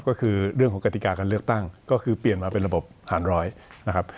ก็คือเรื่องของกติกาการเลือกตั้งก็คือเปลี่ยนมาเป็นระบบฐานร้อยนะครับ